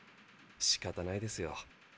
しかたないですよ。